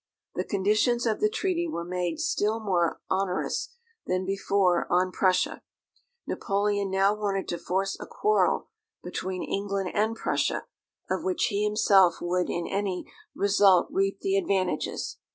The conditions of the treaty were made still more onerous than before on Prussia. Napoleon now wanted to force a quarrel between England and Prussia, of which he himself would in any result reap the advantages.